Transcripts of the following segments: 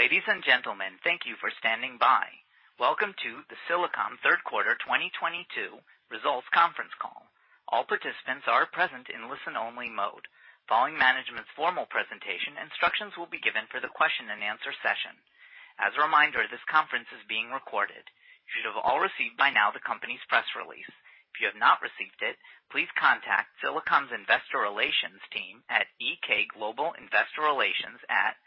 Ladies and gentlemen, thank you for standing by. Welcome to the Silicom third quarter 2022 results conference call. All participants are present in listen-only mode. Following management's formal presentation, instructions will be given for the question and answer session. As a reminder, this conference is being recorded. You should have all received by now the company's press release. If you have not received it, please contact Silicom's investor relations team at EK Global Investor Relations at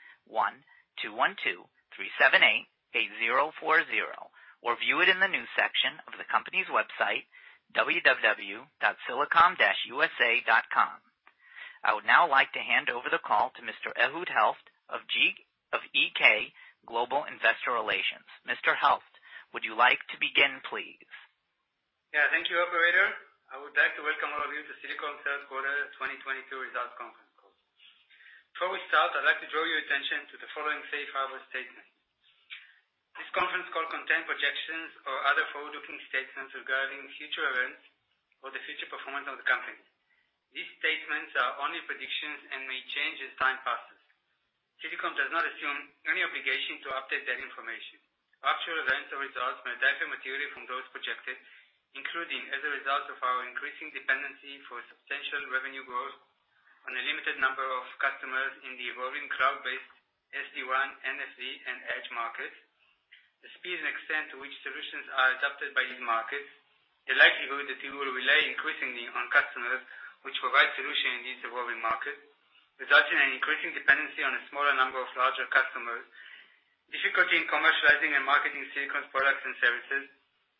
one-two one two-three seven eight-eight zero four zero, or view it in the news section of the company's website, www.silicom-usa.com. I would now like to hand over the call to Mr. Ehud Helft of EK Global Investor Relations. Mr. Helft, would you like to begin, please? Yeah, thank you, operator. I would like to welcome all of you to Silicom's third quarter 2022 results conference call. Before we start, I'd like to draw your attention to the following safe harbor statement. This conference call contains projections or other forward-looking statements regarding future events or the future performance of the company. These statements are only predictions and may change as time passes. Silicom does not assume any obligation to update that information. Actual events or results may differ materially from those projected, including as a result of our increasing dependency for substantial revenue growth on a limited number of customers in the evolving cloud-based SD-WAN, NFV, and Edge markets, the speed and extent to which solutions are adopted by these markets. The likelihood that we will rely increasingly on customers which provide solutions in these evolving markets, resulting in increasing dependency on a smaller number of larger customers. Difficulty in commercializing and marketing Silicom's products and services.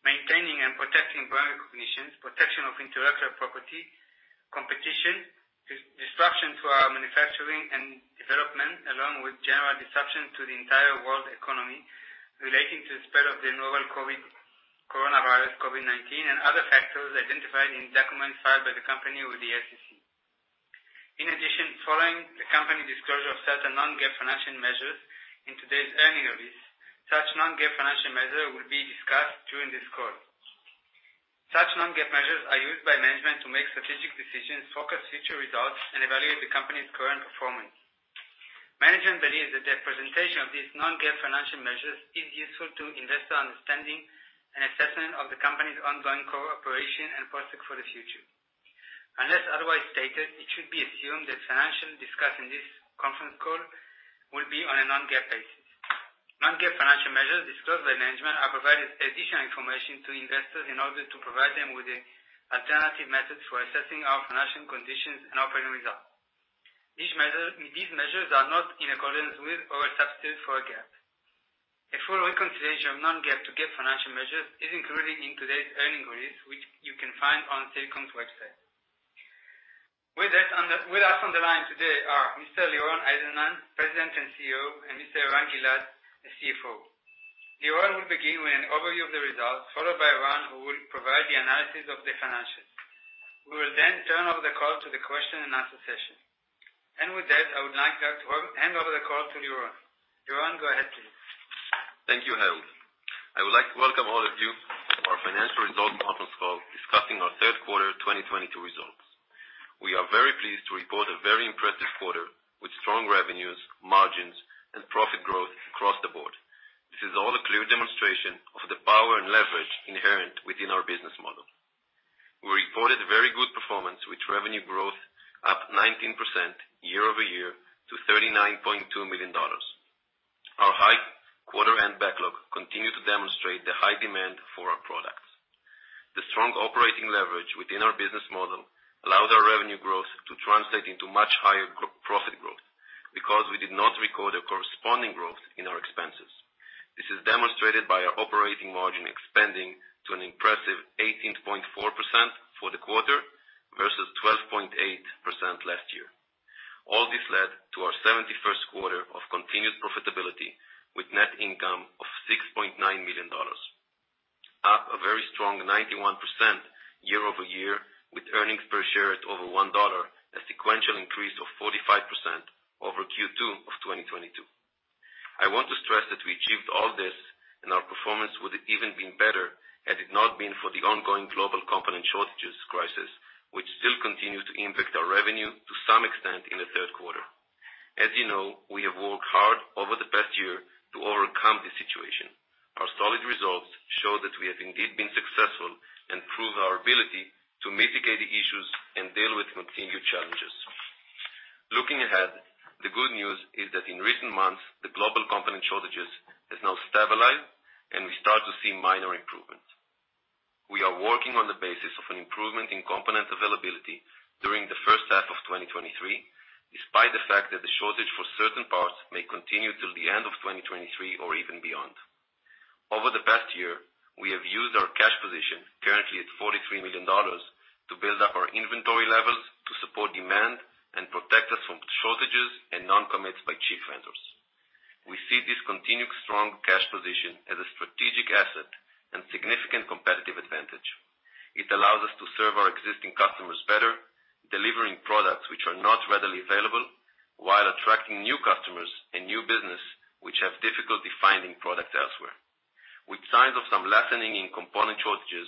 Maintaining and protecting brand recognition. Protection of intellectual property. Competition. Disruption to our manufacturing and development, along with general disruption to the entire world economy relating to the spread of the novel coronavirus, COVID-19, and other factors identified in documents filed by the company with the SEC. In addition, following the company disclosure of certain non-GAAP financial measures in today's earnings release, such non-GAAP financial measures will be discussed during this call. Such non-GAAP measures are used by management to make strategic decisions, focus future results, and evaluate the company's current performance. Management believes that their presentation of these non-GAAP financial measures is useful to investor understanding and assessment of the company's ongoing core operation and prospects for the future. Unless otherwise stated, it should be assumed that financials discussed in this conference call will be on a non-GAAP basis. Non-GAAP financial measures discussed by management have provided additional information to investors in order to provide them with the alternative methods for assessing our financial conditions and operating results. These measures are not in accordance with or a substitute for GAAP. A full reconciliation of non-GAAP to GAAP financial measures is included in today's earnings release, which you can find on Silicom's website. With us on the line today are Mr. Liron Eizenman, President and CEO, and Mr. Eran Gilad, the CFO. Liron will begin with an overview of the results, followed by Eran, who will provide the analysis of the financials. We will then turn over the call to the Q&A session. With that, I would like to hand over the call to Liron. Liron, go ahead please. Thank you, Ehud. I would like to welcome all of you to our financial results conference call discussing our third quarter 2022 results. We are very pleased to report a very impressive quarter with strong revenues, margins, and profit growth across the board. This is all a clear demonstration of the power and leverage inherent within our business model. We reported very good performance with revenue growth up 19% year-over-year to $39.2 million. Our high quarter-end backlog continued to demonstrate the high demand for our products. The strong operating leverage within our business model allowed our revenue growth to translate into much higher profit growth because we did not record a corresponding growth in our expenses. This is demonstrated by our operating margin expanding to an impressive 18.4% for the quarter versus 12.8% last year. All this led to our 71st quarter of continued profitability with net income of $6.9 million, up a very strong 91% year-over-year, with earnings per share at over $1, a sequential increase of 45% over Q2 of 2022. I want to stress that we achieved all this, and our performance would have even been better, had it not been for the ongoing global component shortages crisis, which still continue to impact our revenue to some extent in the third quarter. As you know, we have worked hard over the past year to overcome this situation. Our solid results show that we have indeed been successful and prove our ability to mitigate the issues and deal with continued challenges. Looking ahead, the good news is that in recent months, the global component shortages has now stabilized, and we start to see minor improvements. We are working on the basis of an improvement in component availability during the first half of 2023, despite the fact that the shortage for certain parts may continue till the end of 2023 or even beyond. Over the past year, we have used our cash position, currently at $43 million, to build up our inventory levels to support demand and protect us from shortages and non-commits by chip vendors. We see this continued strong cash position as a strategic asset and significant competitive advantage. It allows us to serve our existing customers better, delivering products which are not readily available, while attracting new customers and new business which have difficulty finding product elsewhere. Lessening in component shortages,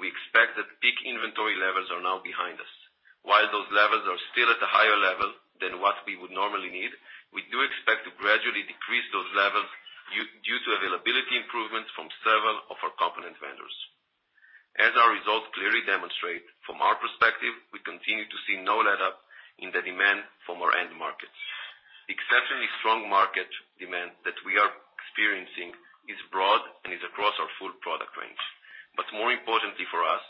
we expect that peak inventory levels are now behind us. While those levels are still at a higher level than what we would normally need, we do expect to gradually decrease those levels due to availability improvements from several of our component vendors. As our results clearly demonstrate, from our perspective, we continue to see no let-up in the demand from our end markets. The exceptionally strong market demand that we are experiencing is broad and is across our full product range. More importantly for us,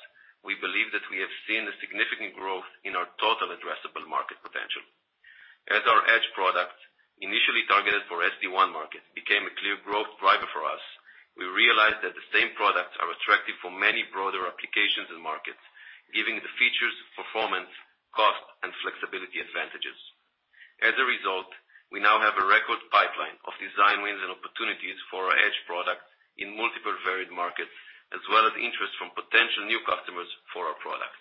we believe that we have seen a significant growth in our total addressable market potential. As our Edge product initially targeted for SD-WAN market became a clear growth driver for us, we realized that the same products are attractive for many broader applications and markets, given the features, performance, cost, and flexibility advantages. As a result, we now have a record pipeline of design wins and opportunities for our Edge product in multiple varied markets, as well as interest from potential new customers for our products.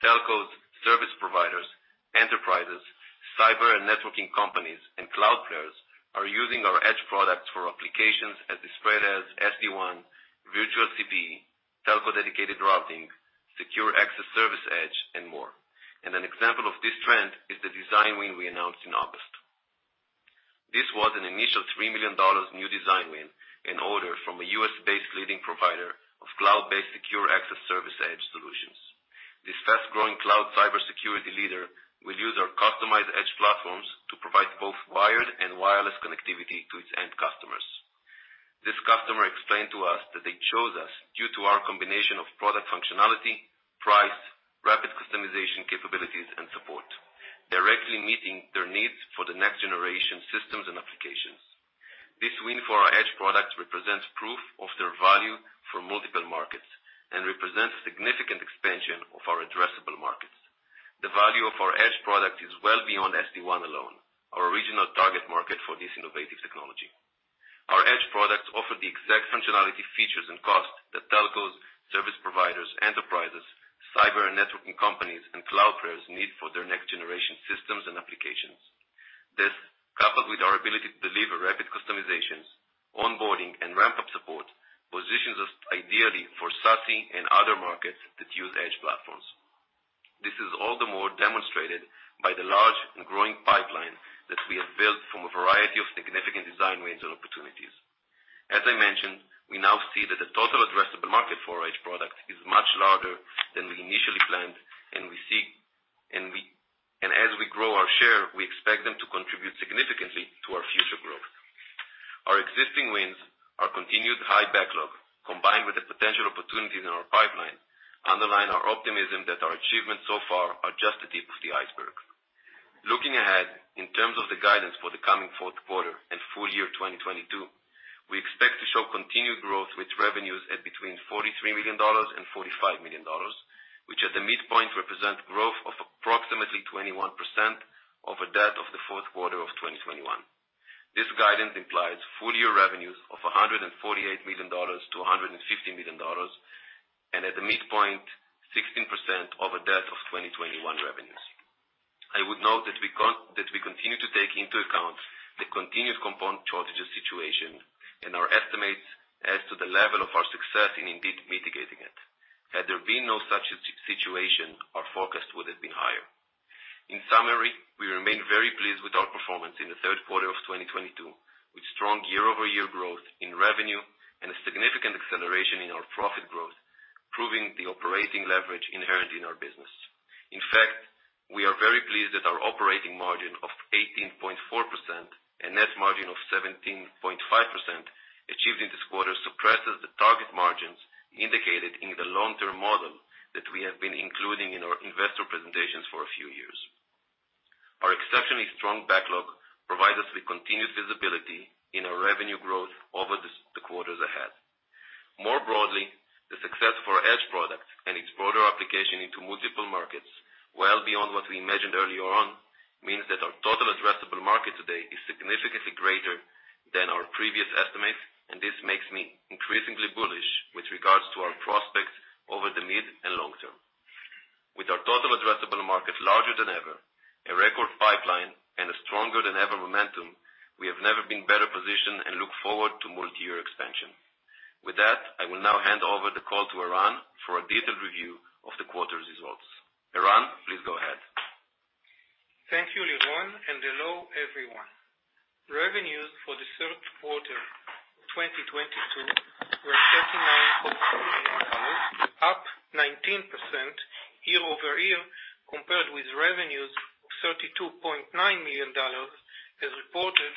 Telcos, service providers, enterprises, cyber and networking companies, and cloud players are using our Edge products for applications such as SD-WAN, virtual CPE, telco-dedicated routing, secure access service edge, and more. An example of this trend is the design win we announced in August. This was an initial $3 million new design win and order from a U.S.-based leading provider of cloud-based secure access service edge solutions. This fast-growing cloud cybersecurity leader will use our customized Edge platforms to provide both wired and wireless connectivity to its end customers. This customer explained to us that they chose us due to our combination of product functionality, price, rapid customization capabilities, and support, directly meeting their needs for the next-generation systems and applications. This win for our Edge products represents proof of their value for multiple markets and represents a significant expansion of our addressable markets. The value of our Edge product is well beyond SD-WAN alone, our original target market for this innovative technology. Our Edge products offer the exact functionality, features, and cost that telcos, service providers, enterprises, cyber and networking companies, and cloud players need for their next-generation systems and applications. This, coupled with our ability to deliver rapid customizations, onboarding, and ramp-up support, positions us ideally for SASE and other markets that use Edge platforms. This is all the more demonstrated by the large and growing pipeline that we have built from a variety of significant design wins and opportunities. As I mentioned, we now see that the total addressable market for our Edge product is much larger than we initially planned, and as we grow our share, we expect them to contribute significantly to our future growth. Our existing wins, our continued high backlog, combined with the potential opportunities in our pipeline, underline our optimism that our achievements so far are just the tip of the iceberg. Looking ahead in terms of the guidance for the coming fourth quarter and full year 2022, we expect to show continued growth with revenues at between $43 million and $45 million, which at the midpoint represent growth of approximately 21% over that of the fourth quarter of 2021. This guidance implies full-year revenues of $148 million to $150 million, and at the midpoint, 16% over that of 2021 revenues. I would note that we continue to take into account the continued component shortages situation and our estimates as to the level of our success in indeed mitigating it. Had there been no such situation, our forecast would have been higher. In summary, we remain very pleased with our performance in the third quarter of 2022, with strong year-over-year growth in revenue and a significant acceleration in our profit growth, proving the operating leverage inherent in our business. In fact, we are very pleased that our operating margin of 18.4% and net margin of 17.5% achieved in this quarter surpasses the target margins indicated in the long-term model that we have been including in our investor presentations for a few years. Our exceptionally strong backlog provides us with continuous visibility in our revenue growth over the quarters ahead. More broadly, the success for our Edge product and its broader application into multiple markets, well beyond what we imagined earlier on, means that our total addressable market today is significantly greater than our previous estimates, and this makes me increasingly bullish with regards to our prospects over the mid and long term. With our total addressable market larger than ever, a record pipeline, and a stronger than ever momentum, we have never been better positioned and look forward to multiyear expansion. With that, I will now hand over the call to Eran for a detailed review of the quarter's results. Eran, please go ahead. Thank you, Liron, and hello, everyone. Revenues for the third quarter of 2022 were $39.4 million, up 19% year-over-year compared with revenues of $32.9 million as reported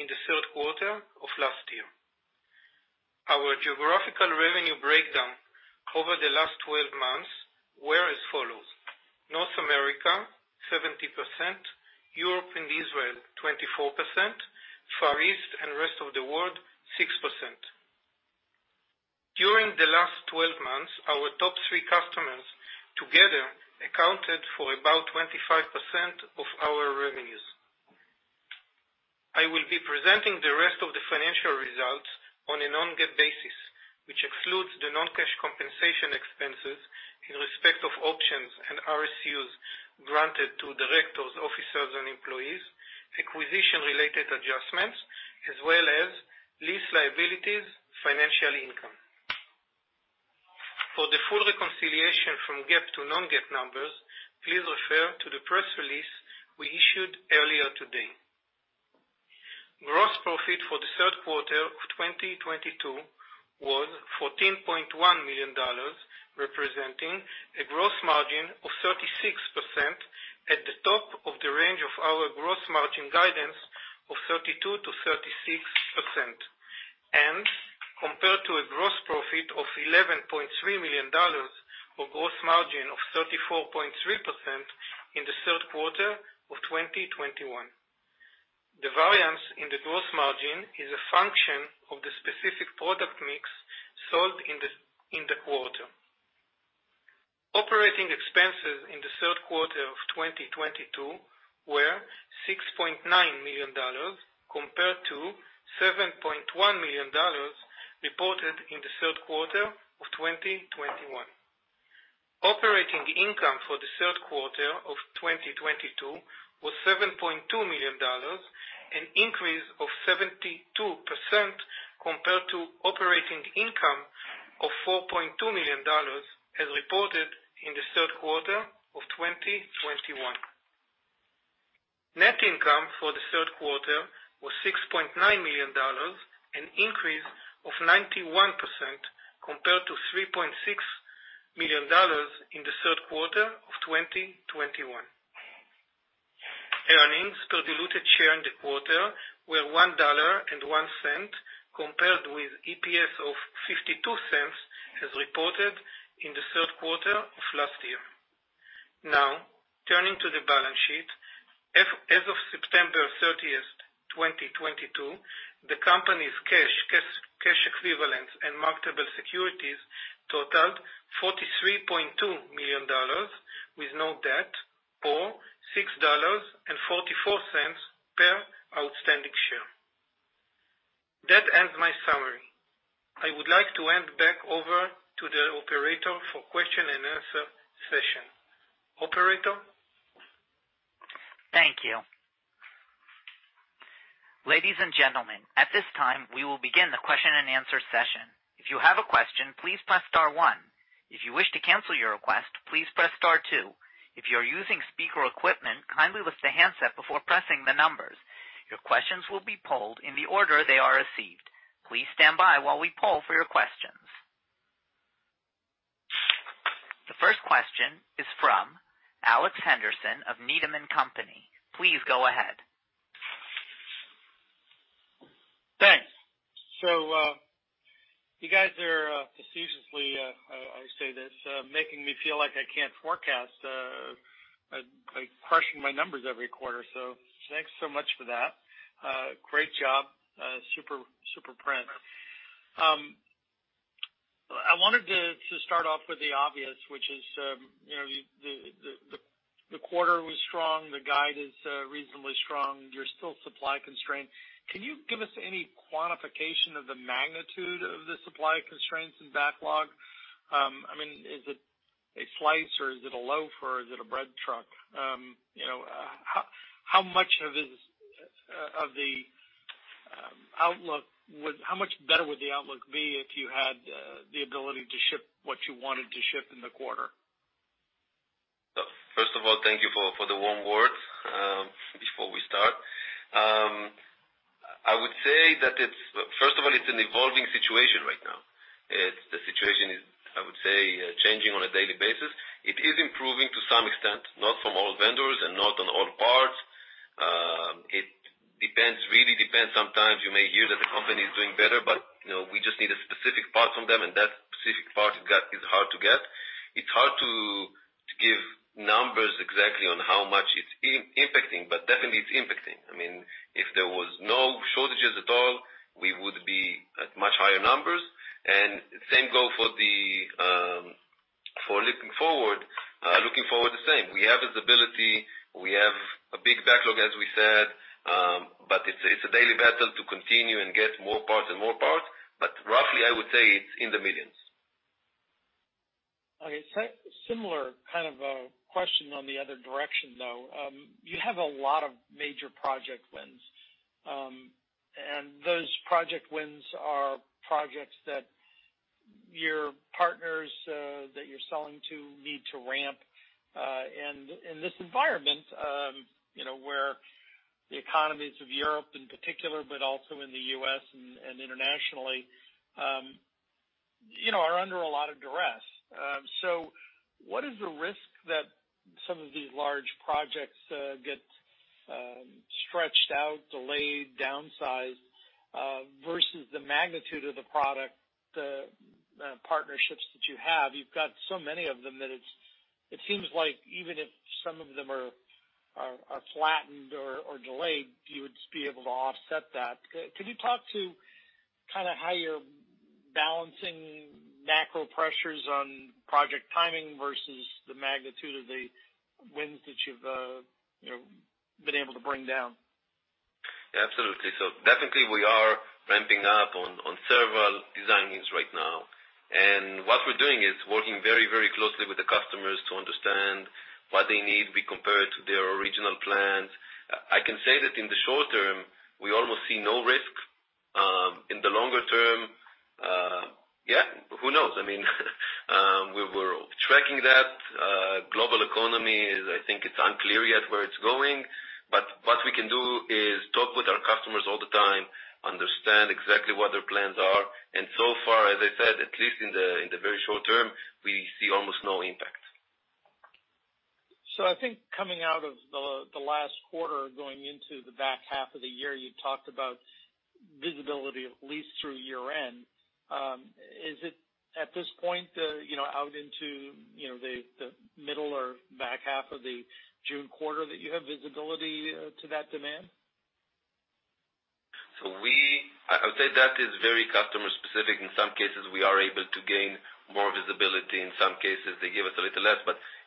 in the third quarter of last year. Our geographical revenue breakdown over the last 12 months was as follows: North America, 70%, Europe and Israel, 24%, Far East and rest of the world, 6%. During the last 12 months, our top three customers together accounted for about 25% of our revenues. I will be presenting the rest of the financial results on a non-GAAP basis, which excludes the non-cash compensation expenses in respect of options and RSUs granted to directors, officers and employees, acquisition-related adjustments, as well as lease liabilities financial income. For the full reconciliation from GAAP to non-GAAP numbers, please refer to the press release we issued earlier today. Gross profit for the third quarter of 2022 was $14.1 million, representing a gross margin of 36% at the top of the range of our gross margin guidance of 32%-36%, and compared to a gross profit of $11.3 million or gross margin of 34.3% in the third quarter of 2021. The variance in the gross margin is a function of the specific product mix sold in the quarter. Operating expenses in the third quarter of 2022 were $6.9 million compared to $7.1 million reported in the third quarter of 2021. Operating income for the third quarter of 2022 was $7.2 million, an increase of 72% compared to operating income of $4.2 million as reported in the third quarter of 2021. Net income for the third quarter was $6.9 million, an increase of 91% compared to $3.6 million in the third quarter of 2021. Earnings per diluted share in the quarter were $1.01 compared with EPS of $0.52 as reported in the third quarter of last year. Now, turning to the balance sheet. As of September 30th, 2022, the company's cash equivalents and marketable securities totaled $43.2 million with no debt or $6.44 per outstanding share. That ends my summary. I would like to hand back over to the operator for Q&A session. Operator? Thank you. Ladies and gentlemen, at this time, we will begin the Q&A session. If you have a question, please press star one. If you wish to cancel your request, please press star two. If you're using speaker equipment, kindly lift the handset before pressing the numbers. Your questions will be polled in the order they are received. Please stand by while we poll for your questions. The first question is from Alex Henderson of Needham & Company. Please go ahead. Thanks. You guys are facetiously, I say this, making me feel like I can't forecast by crushing my numbers every quarter. Thanks so much for that. Great job. Super print. I wanted to start off with the obvious, which is, you know, the quarter was strong, the guide is reasonably strong. You're still supply constrained. Can you give us any quantification of the magnitude of the supply constraints and backlog? I mean, is it a slice or is it a loaf or is a bread truck? You know, how much better would the outlook be if you had the ability to ship what you wanted to ship in the quarter? First of all, thank you for the warm words before we start. First of all, it's an evolving situation right now. The situation is, I would say, changing on a daily basis. It is improving to some extent, not from all vendors and not on all parts. It depends, really depends. Sometimes you may hear that the company is doing better, but, you know, we just need a specific part from them, and that specific part is hard to get. It's hard to give numbers exactly on how much it's impacting, but definitely it's impacting. I mean, if there was no shortages at all, we would be at much higher numbers. The same goes for looking forward. We have visibility. We have a big backlog, as we said. It's a daily battle to continue and get more parts. Roughly, I would say it's in the $ millions. Okay. Similar kind of question on the other direction, though. You have a lot of major project wins. Those project wins are projects that your partners that you're selling to need to ramp, and in this environment, you know, where the economies of Europe in particular, but also in the U.S. and internationally, you know, are under a lot of duress. What is the risk that some of these large projects get stretched out, delayed, downsized, versus the magnitude of the product, the partnerships that you have? You've got so many of them that it seems like even if some of them are flattened or delayed, you would be able to offset that. Could you talk to kind of how you're balancing macro pressures on project timing versus the magnitude of the wins that you've you know been able to bring down? Yeah, absolutely. Definitely we are ramping up on several design wins right now. What we're doing is working very, very closely with the customers to understand what they need. We compare it to their original plans. I can say that in the short term, we almost see no risk. In the longer term, yeah, who knows? I mean, we're tracking that. Global economy is, I think, unclear yet where it's going. What we can do is talk with our customers all the time, understand exactly what their plans are, and so far, as I said, at least in the very short term, we see almost no impact. I think coming out of the last quarter going into the back half of the year, you talked about visibility at least through year-end. Is it at this point, you know, out into, you know, the middle or back half of the June quarter that you have visibility to that demand? I would say that is very customer specific. In some cases, we are able to gain more visibility, in some cases, they give us a little less.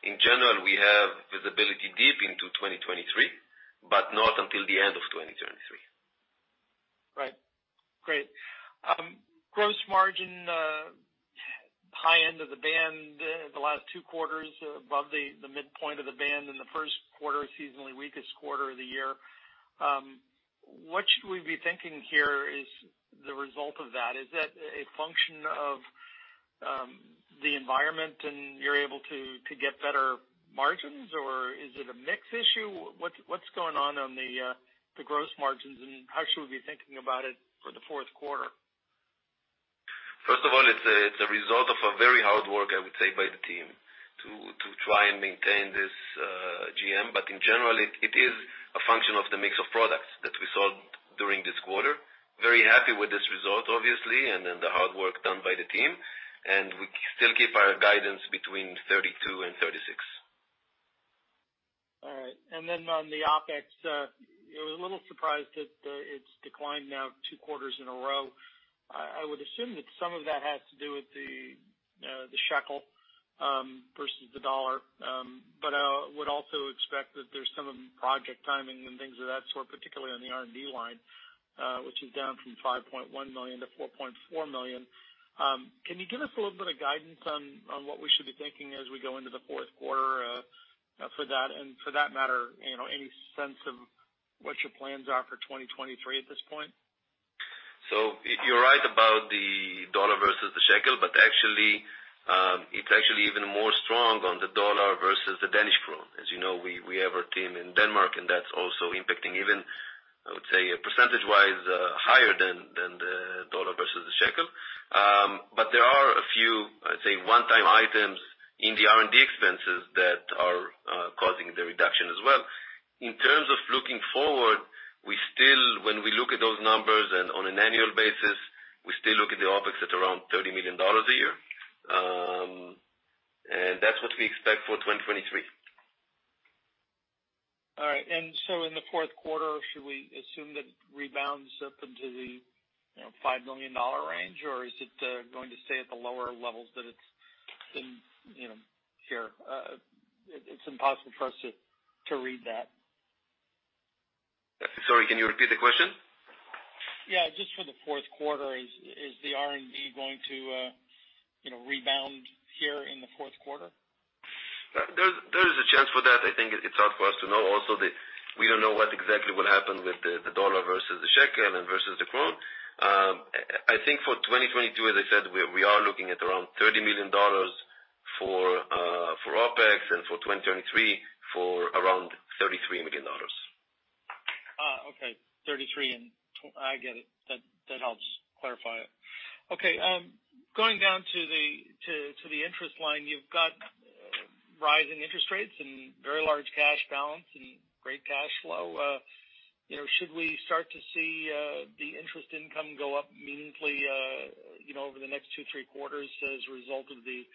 In general, we have visibility deep into 2023, but not until the end of 2023. Right. Great. Gross margin, high end of the band, the last two quarters above the midpoint of the band in the first quarter, seasonally weakest quarter of the year. What should we be thinking here is the result of that? Is that a function of, the environment and you're able to get better margins, or is it a mix issue? What's going on on the gross margins, and how should we be thinking about it for the fourth quarter? First of all, it's a result of very hard work, I would say, by the team to try and maintain this GM. But in general, it is a function of the mix of products that we sold during this quarter. Very happy with this result, obviously, and then the hard work done by the team. We still keep our guidance between 32%-36%. All right. Then on the OpEx, we're a little surprised that it's declined now two quarters in a row. I would assume that some of that has to do with the shekel versus the dollar. But would also expect that there's some project timing and things of that sort, particularly on the R&D line, which is down from $5.1 million to $4.4 million. Can you give us a little bit of guidance on what we should be thinking as we go into the fourth quarter for that? For that matter, you know, any sense of what your plans are for 2023 at this point? You're right about the dollar versus the shekel, but actually, it's actually even more strong on the dollar versus the Danish krone. As you know, we have our team in Denmark, and that's also impacting even. I would say, percentage-wise, higher than the dollar versus the shekel. There are a few. I'd say, one-time items in the R&D expenses that are causing the reduction as well. In terms of looking forward, we still, when we look at those numbers and on an annual basis, we still look at the OpEx at around $30 million a year. That's what we expect for 2023. All right. In the fourth quarter, should we assume that it rebounds up into the, you know, $5 million range, or is it going to stay at the lower levels that it's been, you know, here? It's impossible for us to read that. Sorry, can you repeat the question? Yeah. Just for the fourth quarter, is the R&D going to, you know, rebound here in the fourth quarter? There is a chance for that. I think it's hard for us to know. Also, we don't know what exactly will happen with the dollar versus the shekel and versus the krone. I think for 2022, as I said, we are looking at around $30 million for OpEx and for 2023 around $33 million. Okay. I get it. That helps clarify it. Okay, going down to the interest line, you've got rising interest rates and very large cash balance and great cash flow. You know, should we start to see the interest income go up meaningfully, you know, over the next two, three quarters as a result of the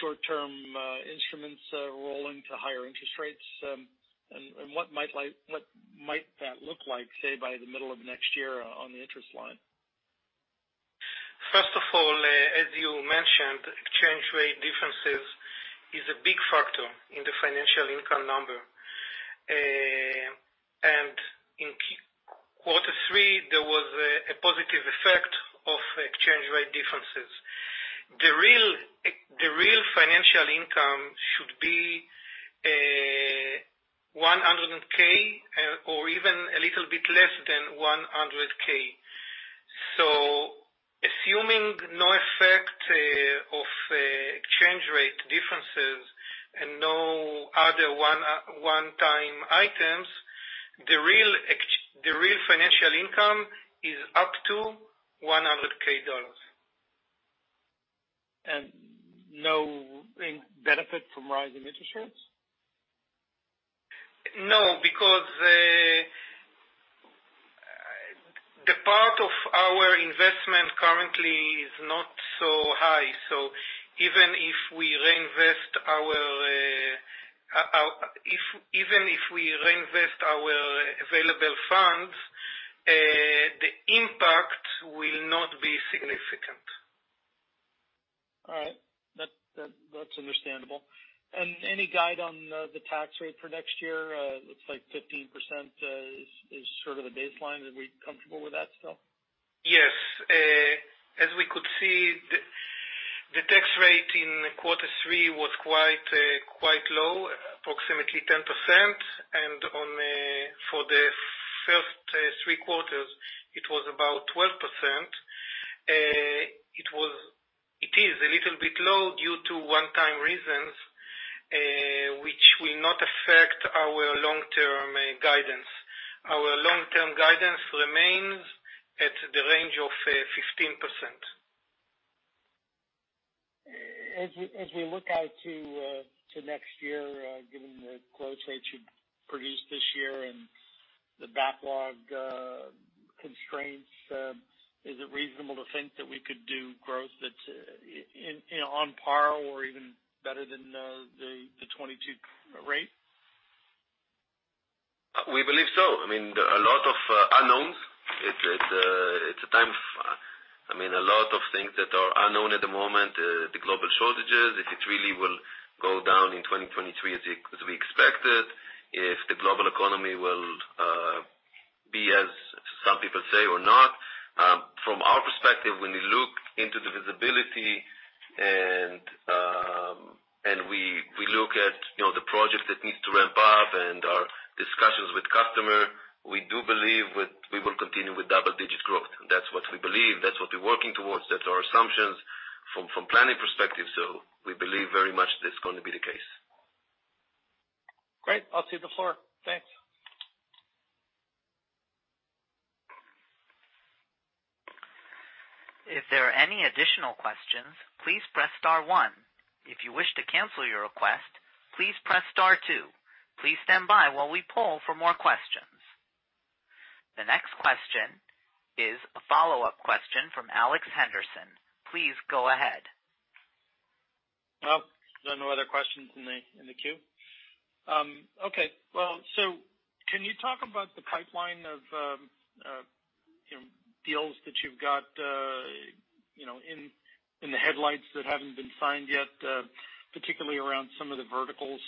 short-term instruments rolling to higher interest rates? What might that look like, say, by the middle of next year on the interest line? First of all, as you mentioned, exchange rate differences is a big factor in the financial income number. In Q3, there was a positive effect of exchange rate differences. The real financial income should be $100K or even a little bit less than $100K. Assuming no effect of exchange rate differences and no other one-time items, the real financial income is up to $100K. Benefit from rising interest rates? No, because the part of our investment currently is not so high. Even if we reinvest our available funds, the impact will not be significant. That's understandable. Any guide on the tax rate for next year? Looks like 15% is sort of the baseline. Are we comfortable with that still? Yes. As we could see, the tax rate in quarter three was quite low, approximately 10%. For the first three quarters, it was about 12%. It is a little bit low due to one-time reasons, which will not affect our long-term guidance. Our long-term guidance remains at the range of 15%. As we look out to next year, given the growth rate you produced this year and the backlog constraints, is it reasonable to think that we could do growth that in, you know, on par or even better than the 2022 rate? We believe so. I mean, there are a lot of unknowns. I mean, a lot of things that are unknown at the moment, the global shortages, if it really will go down in 2023 as we expected, if the global economy will be as some people say, or not. From our perspective, when we look into the visibility and we look at, you know, the projects that needs to ramp up and our discussions with customer, we do believe we will continue with double-digit growth. That's what we believe. That's what we're working towards. That's our assumptions from planning perspective. We believe very much that's going to be the case. Great. I'll cede the floor. Thanks. If there are any additional questions, please press star one. If you wish to cancel your request, please press star two. Please stand by while we poll for more questions. The next question is a follow-up question from Alex Henderson. Please go ahead. Oh, there are no other questions in the queue? Okay. Well, can you talk about the pipeline of, you know, deals that you've got, you know, in the headlights that haven't been signed yet, particularly around some of the verticals,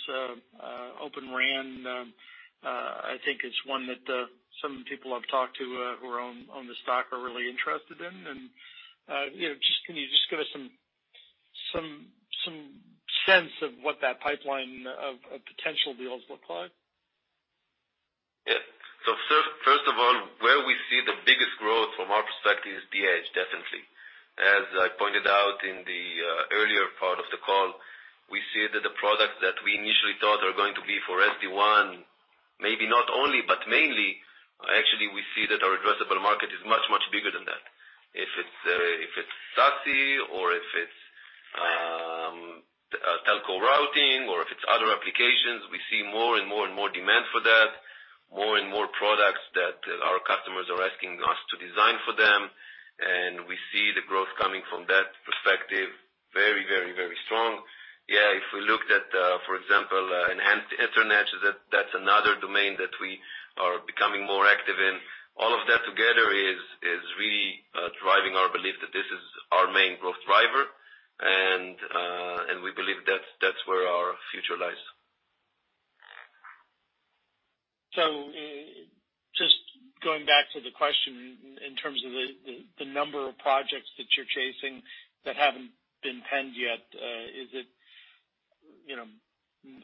Open RAN, I think is one that some people I've talked to who own the stock are really interested in. You know, just can you just give us some sense of what that pipeline of potential deals look like? Yeah. First of all, where we see the biggest growth from our perspective is the Edge, definitely. As I pointed out in the earlier part of the call, we see that the products that we initially thought are going to be for SD-WAN, maybe not only, but mainly. Actually, we see that our addressable market is much bigger than that. If it's SASE or if it's telco routing or if it's other applications, we see more and more demand for that more and more products that our customers are asking us to design for them. We see the growth coming from that perspective very strong. If we looked at, for example, Enhanced Internet, that's another domain that we are becoming more active in. All of that together is really driving our belief that this is our main growth driver. We believe that's where our future lies. Just going back to the question in terms of the number of projects that you're chasing that haven't been penned yet, is it, you know,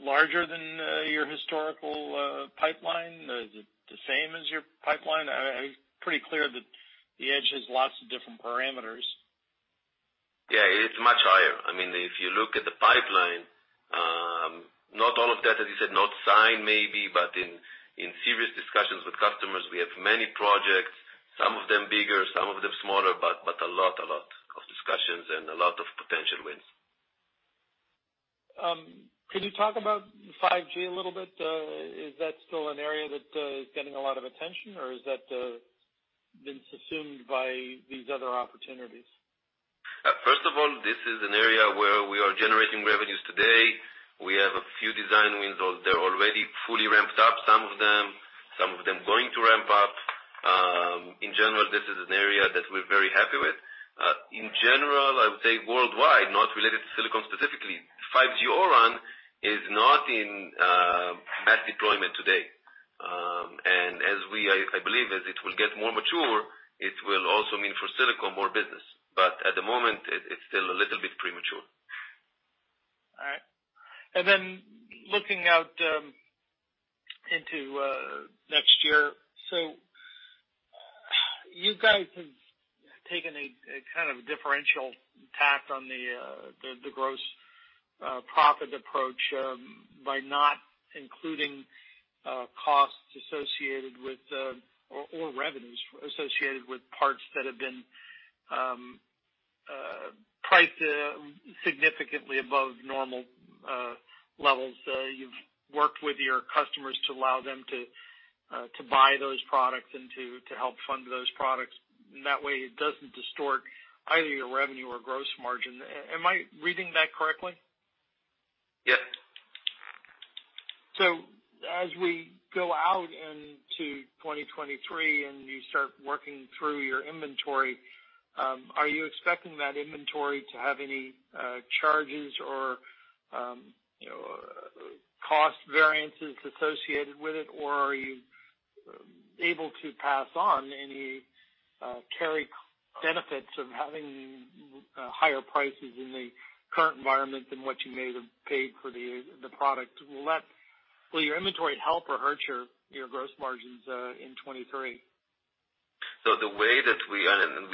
larger than your historical pipeline? Is it the same as your pipeline? Pretty clear that the edge has lots of different parameters. Yeah, it's much higher. I mean, if you look at the pipeline, not all of that, as you said, not signed maybe, but in serious discussions with customers, we have many projects, some of them bigger, some of them smaller, but a lot of discussions and a lot of potential wins. Could you talk about 5G a little bit? Is that still an area that is getting a lot of attention, or is that been subsumed by these other opportunities? First of all, this is an area where we are generating revenues today. We have a few design wins. They're already fully ramped up, some of them. Some of them going to ramp up. In general, this is an area that we're very happy with. In general, I would say worldwide, not related to Silicom specifically, 5G O-RAN is not in mass deployment today. I believe as it will get more mature, it will also mean for Silicom more business. At the moment, it's still a little bit premature. All right. Looking out into next year, so you guys have taken a kind of differential tack on the gross profit approach by not including costs associated with or revenues associated with parts that have been priced significantly above normal levels. You've worked with your customers to allow them to buy those products and to help fund those products, and that way it doesn't distort either your revenue or gross margin. Am I reading that correctly? Yes. As we go out into 2023 and you start working through your inventory, are you expecting that inventory to have any charges or, you know, cost variances associated with it? Or are you able to pass on any carry benefits of having higher prices in the current environment than what you may have paid for the product? Will your inventory help or hurt your gross margins in 2023? The way that we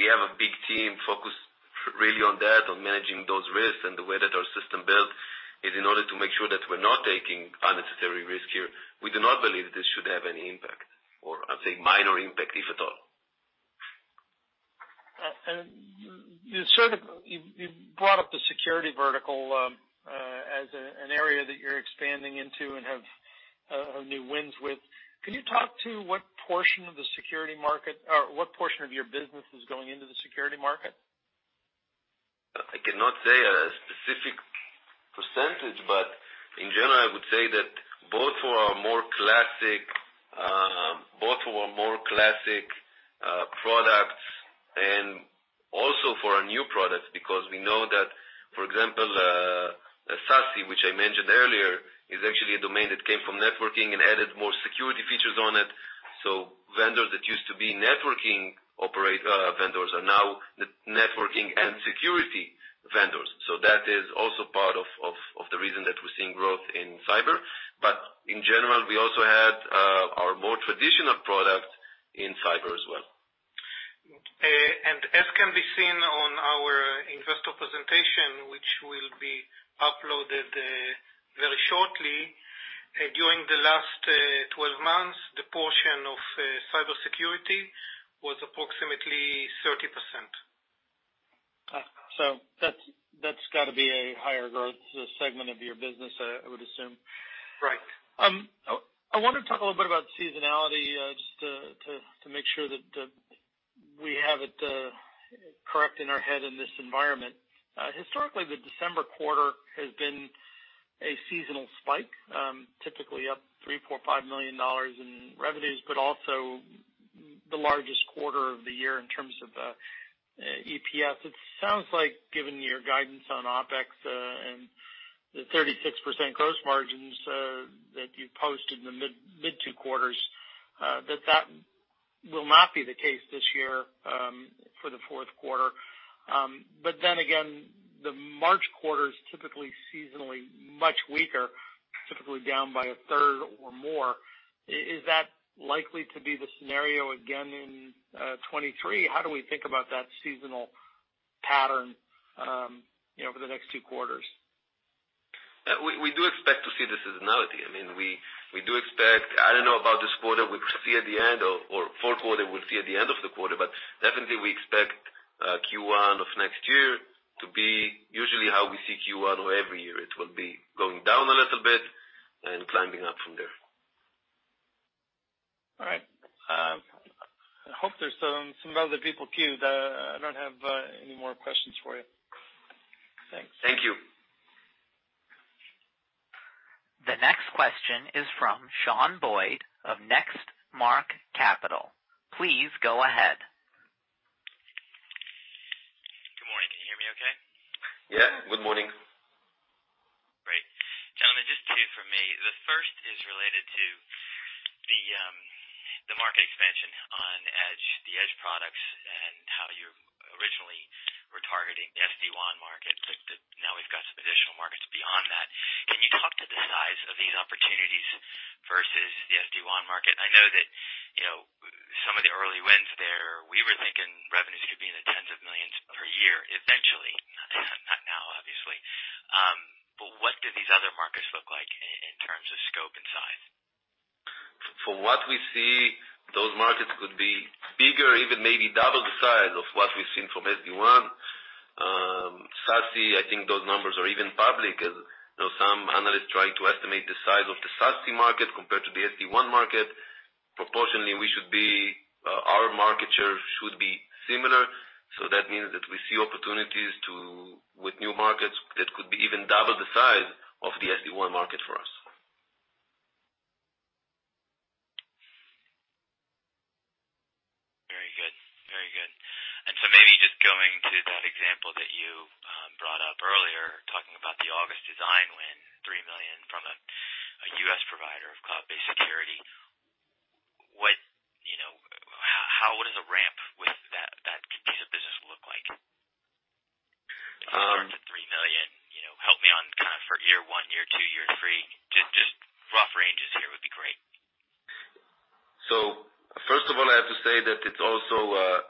have a big team focused really on that, on managing those risks, and the way that our system built is in order to make sure that we're not taking unnecessary risk here. We do not believe this should have any impact, or I'd say minor impact, if at all. You brought up the security vertical as an area that you're expanding into and have new wins with. Can you talk to what portion of the security market or what portion of your business is going into the security market? I cannot say a specific percentage, but in general, I would say that both for our more classic products and also for our new products, because we know that, for example, SASE, which I mentioned earlier, is actually a domain that came from networking and added more security features on it. Vendors that used to be networking vendors are now networking and security vendors. That is also part of the reason that we're seeing growth in cyber. In general, we also had our more traditional products in cyber as well. As can be seen on our investor presentation, which will be uploaded very shortly. During the last 12 months, the portion of cybersecurity was approximately 30%. That's got to be a higher growth segment of your business, I would assume. Right. I want to talk a little bit about seasonality, just to make sure that we have it correct in our head in this environment. Historically, the December quarter has been a seasonal spike, typically up $3-$5 million in revenues, but also the largest quarter of the year in terms of EPS. It sounds like, given your guidance on OpEx and the 36% gross margins that you've posted in the mid-two quarters, that will not be the case this year for the fourth quarter. The March quarter is typically seasonally much weaker, typically down by a third or more. Is that likely to be the scenario again in 2023? How do we think about that seasonal pattern, you know, for the next two quarters? We do expect to see the seasonality. I mean, I don't know about this quarter we'll see at the end or fourth quarter, we'll see at the end of the quarter. Definitely we expect Q1 of next year to be usually how we see Q1 every year. It will be going down a little bit and climbing up from there. All right. I hope there's some other people queued. I don't have any more questions for you. Thanks. Thank you. The next question is from Shawn Boyd of Next Mark Capital. Please go ahead. Good morning. Can you hear me okay? Yeah, good morning. Great. Gentlemen, just two for me. The first is related to the market expansion on Edge, the Edge products, and how you originally were targeting the SD-WAN market. Now we've got some additional markets beyond that. Can you talk to the size of these opportunities versus the SD-WAN market? I know that, you know, some of the early wins there, we were thinking revenues could be in the $ tens of millions per year eventually. Not now, obviously. What do these other markets look like in terms of scope and size? From what we see, those markets could be bigger, even maybe double the size of what we've seen from SD-WAN. SASE, I think those numbers are even public. As you know, some analysts try to estimate the size of the SASE market compared to the SD-WAN market. Proportionally, we should be, our market share should be similar. That means that we see opportunities with new markets that could be even double the size of the SD-WAN market for us. Very good. Maybe just going to that example that you brought up earlier, talking about the August design win, $3 million from a U.S. provider of cloud-based security. What, you know, how does a ramp with that piece of business look like? If you start with $3 million, you know, help me on kind of for year one, year two, year three, just rough ranges here would be great? First of all, I have to say that it's also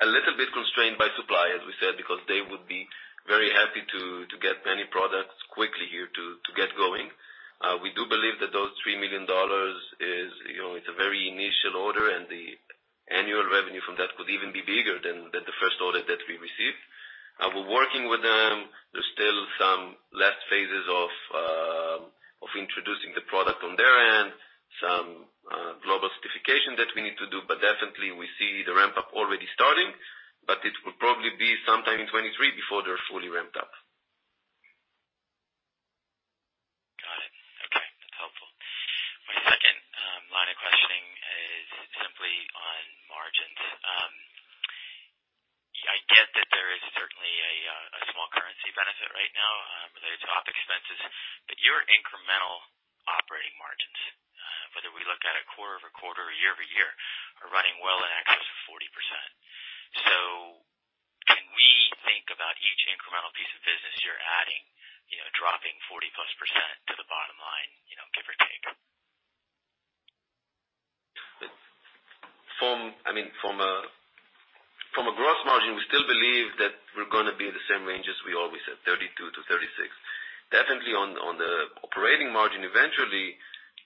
a little bit constrained by supply, as we said, because they would be very happy to get many products quickly here to get going. We do believe that those $3 million is, you know, it's a very initial order, and the annual revenue from that could even be bigger than the first order that we received. We're working with them. There's still some last phases of introducing the product on their end, some specification that we need to do, but definitely we see the ramp up already starting, but it will probably be sometime in 2023 before they're fully ramped up. Got it. Okay. That's helpful. My second line of questioning is simply on margins. I get that there is certainly a small currency benefit right now, related to OpEx, but your incremental operating margins, whether we look at it quarter-over-quarter or year-over-year, are running well in excess of 40%. Can we think about each incremental piece of business you're adding, you know, dropping 40%+ to the bottom line, you know, give or take? I mean, from a gross margin, we still believe that we're gonna be in the same range as we always said, 32%-36%. Definitely on the operating margin, eventually,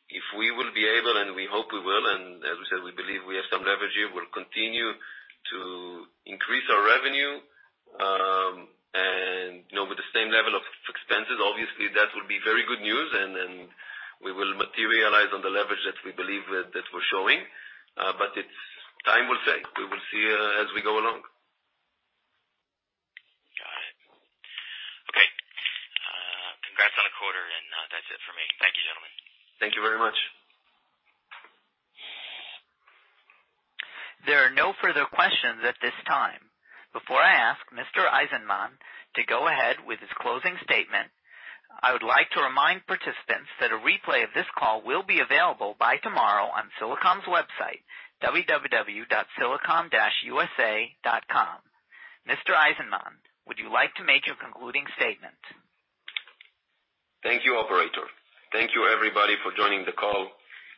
if we will be able, and we hope we will, and as we said, we believe we have some leverage here, we'll continue to increase our revenue, and, you know, with the same level of expenses, obviously that will be very good news and then we will materialize on the leverage that we believe that we're showing. But time will tell. We will see, as we go along. Got it. Okay. Congrats on the quarter, and that's it for me. Thank you, gentlemen. Thank you very much. There are no further questions at this time. Before I ask Mr. Eizenman to go ahead with his closing statement, I would like to remind participants that a replay of this call will be available by tomorrow on Silicom's website, www.silicom-usa.com. Mr. Eizenman, would you like to make your concluding statement? Thank you, operator. Thank you everybody for joining the call.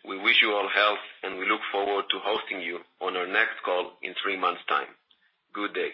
We wish you all health, and we look forward to hosting you on our next call in three months' time. Good day.